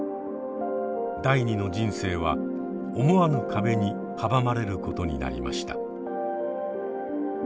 第二の人生は思わぬ壁に阻まれることになりました。